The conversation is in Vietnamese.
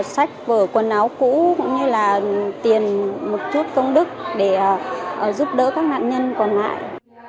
tôi có sách vở quần áo cũ tiền một chút công đức để giúp đỡ các nạn nhân còn lại